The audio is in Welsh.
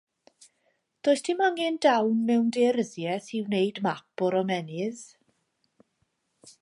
Does dim angen dawn mewn daearyddiaeth i wneud map o'r ymennydd